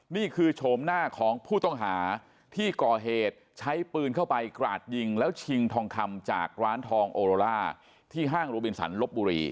โฉมหน้าของผู้ต้องหาที่ก่อเหตุใช้ปืนเข้าไปกราดยิงแล้วชิงทองคำจากร้านทองโอโรล่าที่ห้างโรบินสันลบบุรี